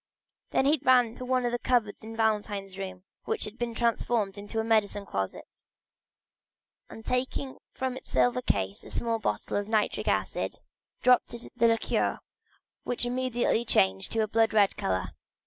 Then he ran to one of the cupboards in Valentine's room, which had been transformed into a medicine closet, and taking from its silver case a small bottle of nitric acid, dropped a little of it into the liquor, which immediately changed to a blood red color.